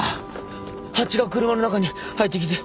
蜂が車の中に入ってきて